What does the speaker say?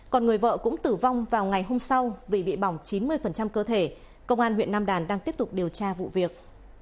còn người vợ cũng tử vong vào ngày hôm sau vì bị bỏng chín mươi cơ thể công an huyện nam đàn đang tiếp tục điều tra vụ việc